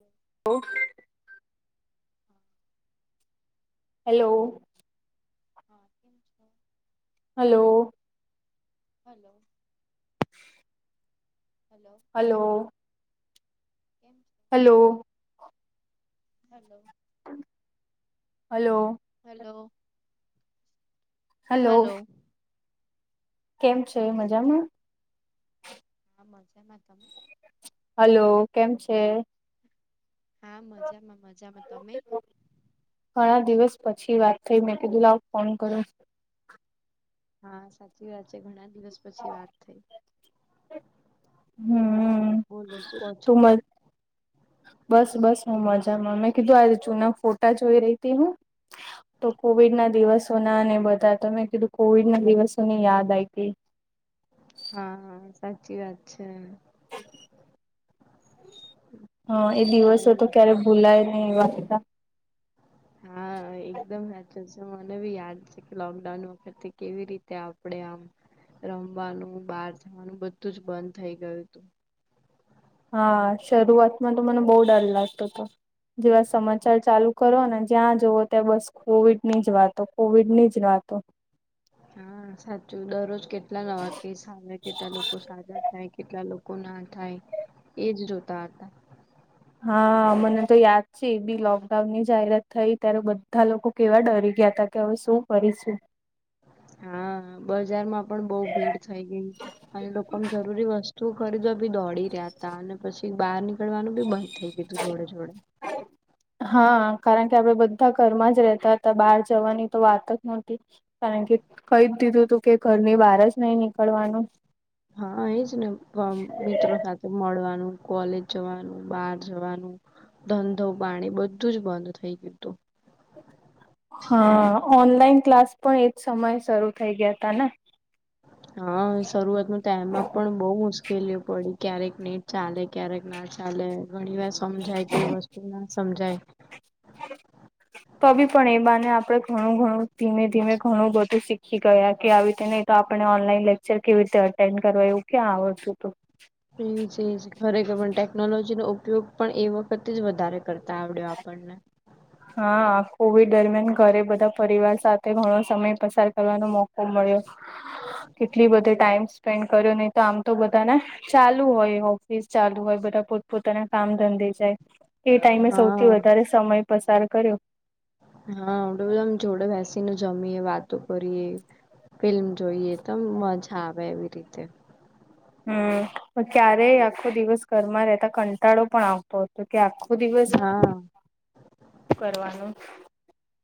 હમ ઓ હેલો હા કેમ છો હલો હલો હલો હલો કેમ છો hello hello hello hello hello કેમ છે હા કેમ છો મજામાં હા મજામાં તમે હાલો કેમ છે? હા, મજામાં મજામાં તમે? ઘણા દિવસ પછી વાત થઈ મેં કીધુ લાવ ફોન કરો. હા, સાચી વાત છે, ઘણા દિવસ પછી વાત થઈ. હમ્મ બોલો શું કો છો તુંમજ બસ બસ હું મજામાં મેં કીધું આજ ચૂના ફોટા જોઈ રહી હતી હું. તો કોવિડ ના દિવસો નાને બધા ત મે કીધું કોવિડ ના દિવસોને યાદ આયવી હા સાચી વાત છે. હા એ દિવસો મને તો બી ક્યારે ભૂલાય નીય એ વા હતા [inaudible] હા, એકદમ સાચું છે મને બી યાદ છે કે લોકડાઉન વખતે કેવી રીતે, આપડે આમ રમવાનું બહાર જવાનું બધું જ બંધ થઈ ગયું હતું. હા, શરૂઆતમાં તો મને બહુ ડર લાગતો હતો. જેવા સમાચાર ચાલુ કરો ને જ્યાં જવ ત્યાં બસ કોવિડ ની જ વાતો કોવિડ ની જ વાતો, હા, સાચું દરરોજ કેટલા નવા કેસ આવે કેટલા લોકો સાજા થાય, કેટલા લોકો ના થાય એજ જોતા હતા, હા, મને તો યાદ છે બી લોકડાઉન ની જાહેરાત થઈ, ત્યારે બધા લોકો કેવા ડરી ગયા હતા કે હવે શું કરીશું, હા, બજાર માં પણ બહ ભીડ થઈ ગઈ અને લોકો જરૂરી વસ્તુઓ ખરીદવા બી દોડી રહ્યા, ત અને પછી બહાર નીકળવાનું બી બંધ થઈ ગયુ હતું, જોડે જોડે હા કારણ કે આપણે બધા ઘરમાં જ રહેતા હતા બહાર જવાની તો વાત જ નહોતી, કારણ કે કહી જ દીધું તું કે ઘરની બહાર જ નહી નીકળવાનું, હા, એજ ને મિત્રો હ મળવાનું કોલેજ જવાનું બાર જવાનું, ધંધો પાણી બધું જ બંધ થઈ ગયું હતું, હા, ઓનલાઈન ક્લાસ પણ એજ સમયે શરૂ થઈ ગયા તા ને હા, શરૂઆત ન તો એમમાં પણ બહુ મુશ્કેલીઓ પડી ક્યારેક નહી. ચાલે ક્યારેક ના ચાલે ઘણી વાર સમજાય કોઈ વસ્તુ ના સમજાય, [unintelligible] તો પણ એ બાને આપડણે ઘણું ઘણું ધીમે ધીમે ઘણું બધું શીખી ગયા કે આવી રીતેને તો આપણે ઓનલાઈન લેક્ચર કેવી રીતે અટેન્ડ કરવા એવું ક્યાં આવડતું તુ, એ ખરેખર પણ ટેકનોલોજી નો ઉપયોગ પણ એ વખત વધારે કરતા આવડ્યો આપણને, હા, કોવિડ દરમિયાન ઘરે બધા પરિવાર સાથે ઘણો સમય પસાર કરવાનો મોકો મળ્યો કેટલી બધી ટાઈમ સ્પેન્ડ કર્યો નહિ તો આમ તો બધાને ચાલુ હોય ઓફિસ ચાલુ હોય બધા પોતપોતાના કામ ધંધી જાય. એ ટાઈમે સૌથી હા વધારે સમય પસાર કર્યો, હા, એડ બધામ જોડે બેસીને જમીએ વાતો કરીએ, ફિલ્મ જોઈએ તો મજા આવે એવી રીતે, હમ્મ પણ ક્યારેય આખો દિવસ ઘરમાં રહેતા કંટાળો પણ આવતો હતો, તો કે આખો દિવસ હા શુ કરવાનો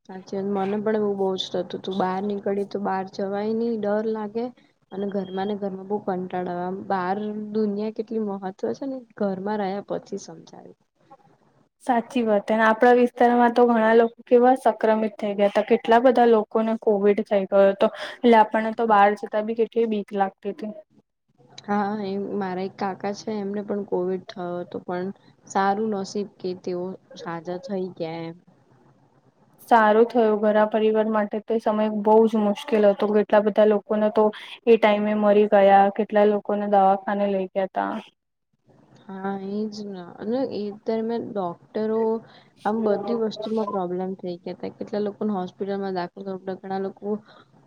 સાચચી મને પણ એવું બહુ જ હતું તું બહાર નીકળી તો બહાર જવાય નહિ ડર લાગે, અને ઘરમાં ને ઘરમાં બહ કંટાળા બહાર દુનિયા કેટલી મહત્વ છે ને, ઘરમાં રહ્યા પછી સમજાવી, સાચી વાત અને આપણા વિસ્તારમાં તો ઘણા લોકો કેવા સંક્રમિત થઈ ગયા હતા, કેટલા બધા લોકો લોકોને કોવિડ થઈ ગયો હતો, એટલે આપણને તો બહાર જતા બી કેટલી બીક લાગતી હતી હા, એ મારા એક કાકા છે એમને પણ કોવિડ થયો હતો પણ સારું નસીબ કે તેઓ સાજા થઈ ગયા એમ સારું થયું ઘરા પરિવાર માટે તે સમય બહુ જ મુશ્કેલ હતો કેટલા બધા લોકોને તો એ ટાઈમે મરી ગયા કેટલા લોકોને દવાખાને લઈ ગયા તા હા, એજ ના અને એ તર મે ડોક્ટરો આમ બધી વસ્તુ પ્રોબ્લેમ થઈ ગયા હતા કેટલા લોકોને હોસ્પિટલમાં દાખલ કરવા પડયા તા ઘણા લોકો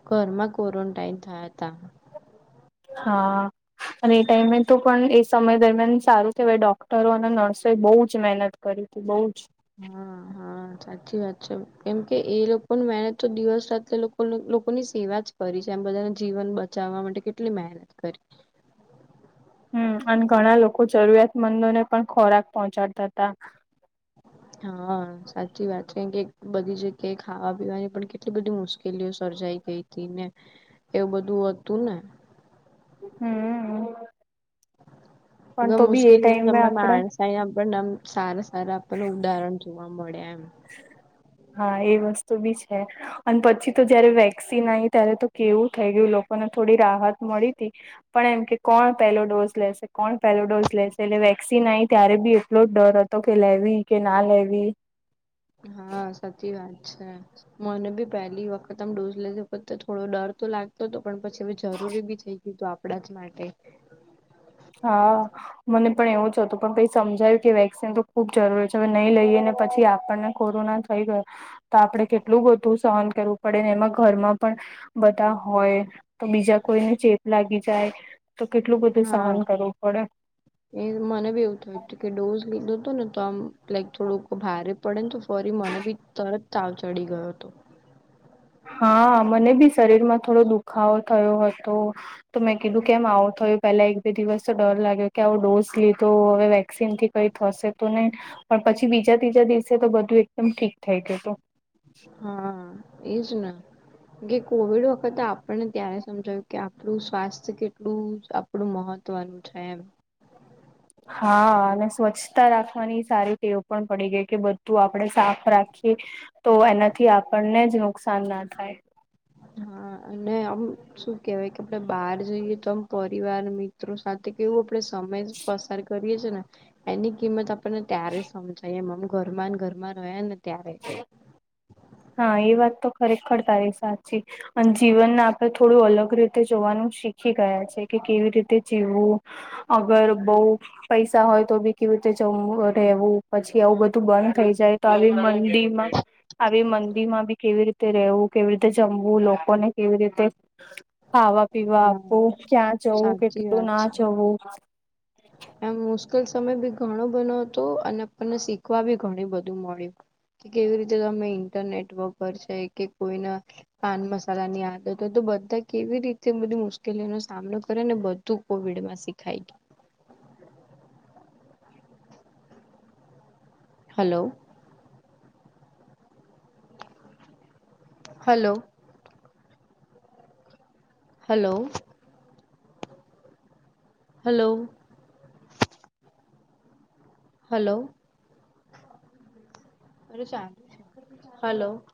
ઘરમાં ક્વોરન્ટાાઈન થયા ત હા, અને એ ટાઈમે તો પણ એ સમય દરમિયાન સારું થવાય ડોક્ટરો અને નર્સો એ બહુ જ મહેનત કરીબ બો જ હા હા. હા સાચી વાત છે કેમ કે એ લોકો ન મેનેજ તો દિવસ રાત લોકો લોકોની સેવા જ કરી છે એમ બધાને જીવન બચાવવા માટે કેટલી મહેનત કરી હમ અને ઘણા લોકો જરૂરિયાતમંદોને પણ ખોરાક પહોંચાડતા હતા. [inaudible] હા સાચી વાત છે કે બધી જગ્યાએ ખાવા પીવાની પણ કેટલી બધી મુશ્કેલીઓ સર્જાઈ ગઈ ને એવું બધું હતું ને હમ્મ હવે મુશ્કેલીને ટાઈમે તમે આપણે માણસ તયા પણ સારા સારા આપણનું ઉદાહરણ જોવા મળે એમ હા એ વસ્તુ બી છે. અને પછી તો જયારે વેક્સિન આઈ ત્યારે તો કેવું થઈ ગયું લોકોને થોડી રાહત મળી હતી. પણ એમ કે કોણ પહેલો ડોઝ લેશે કોણ પહેલો ડોઝ લેશે એટલે વેક્સિન આઈ ત્યારે બી એટલો જ ડર હતો કે લેવી કે ના લેવી હા સાચી વાત છે. મને ભી પહેલી વખતમ ડોઝ લેતે થોડો ડર તો લાગ તોતો પણ પછી હવે જરૂરી બી થઈ ગય તો આપણા જ માટે હા. મને પણ એવું જ હતું પણ કઈ સમજાયું કે વેક્સિન તો ખુબ જરૂરી છે હવે નહી લઈએ ને પછી આપણને કોરોના થઈ ગયો તો આપડે કેટલું બધું સહન કરવું પડે ને એમાં ઘરમાં પણ બધા હોય તો બીજા કોઈને ચેપ લાગી જાય તો કેટલું બધું હા સહન કરવું પડે એ મને બી એવું થયું હતું કે ડોઝ લીધો હતો ને તો આમ લાઈક થોડુંક ભારે પરંતુ ફરી મને બી તરત તાવ ચડી ગયો હતો. હા મને બી શરીર માં થોડો દુખાવો થયો હતો તો મેં કીધું કેમ આવું થયું પેલા એક બે દિવસ તો ડર લાગ્યો કે આવો ડોઝ લીધો હવે વેક્સિન થી કઈ થશે તો નહી પણ પછી બીજા ત્રીજા દિવસે તો બધું એકદમ ઠીક થઈ જતું હા એજ ને કે કોવિડ વખતે આપણને ત્યારે સમજાવ્યું કે આપણું સ્વાસ્થ્ય કેટલું આપડું મહત્વનું છે એમ હા અને સ્વચ્છતા રાખવાની સારી રીતે એવું પણ પડી ગઈ કે બધું આપણે સાફ રાખીએ તો એનાથી આપણને જ નુકસાન ના થાય હા અને આમ શું કેવાય કે આપડે બહાર જઈએ તો આમ પરિવાર મિ ત્રો સાથે કેવું આપડે સમય જ પસાર કરીએ છે ને એની કિંમત આપણને ત્યારે સમજાય એમ ઘરમાં ને ઘરમાં રહે્યા ને ત્યારે હા એ વાત તો ખરેખર તારી સાચી. અને જીવનને આપણે થોડું અલગ રીતે જોવાનું શીખી ગયા છે કે કેવી રીતે જીવવું અગર બઉ પૈસા હોય તો બી કેવી રીતે જમવું રહેવું પછી આવું બધું બંધ થઈ જાય તો આવી મંદી માં આવી મંદી માં બી કેવી રીતે રેવું કેવી રીતે જમવું લોકોને કેવી રીતે ખાવા પીવા હા આપવું. ક્યાં જવું સાચી કેટલું વાત ના છે જવું. [inaudible] એમ મુશ્કેલ સમય બી ઘણો બનું હતું અને આપણને શીખવા બી ઘણી બધું મળ્યું. કે કેવી રીતે તમે ઇન્ટરનેટ વાપરશે કે કોઈના પાન મસાલાની આદતો હોય તો બધા કેવી રીતે બધી મુશ્કેલીઓ નો સામનો કરે ને બધું કોવિડમાં શીખાય ગય hello hello hello hello. Hello hello.